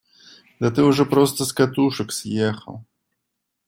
Да ты уже просто с катушек съехал!